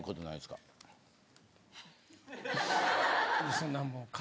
そんなもう。